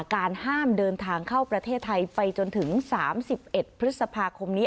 การห้ามเดินทางเข้าประเทศไทยไปจนถึง๓๑พฤษภาคมนี้